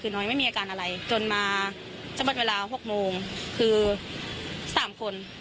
คือน้องยังไม่มีอาการอะไรจนมาเจ้าบันเวลาหกโมงคือสามคน